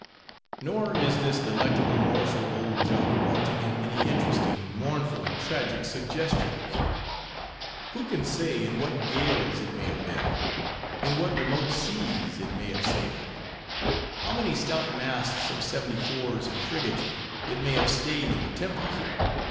Nor is this delectable morsel of old junk wanting in many interesting, mournful, and tragic suggestions. Who can say in what gales it may have been; in what remote seas it may have sailed? How many stout masts of seventy fours and frigates it may have staid in the tempest?